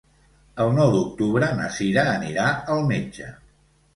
El nou d'octubre na Cira anirà al metge.